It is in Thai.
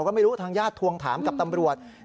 ก็ไม่รู้ทางญาติทวงถามกับตำรวจ